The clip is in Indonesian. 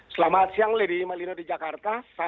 selamat siang lady malino di jakarta